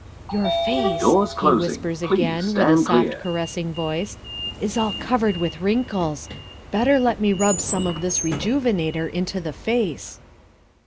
"Your face," he whispers again, with a soft, caressing voice, "is all covered with wrinkles; better let me rub some of this Rejuvenator into the face."